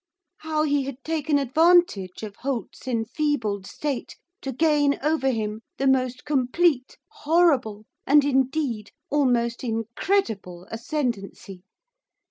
How he had taken advantage of Holt's enfeebled state to gain over him the most complete, horrible, and, indeed, almost incredible ascendency.